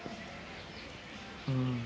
うん。